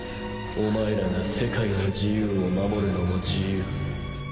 お前らが世界の自由を守るのも自由。